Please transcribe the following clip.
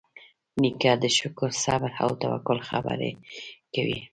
نیکه د شکر، صبر، او توکل خبرې کوي.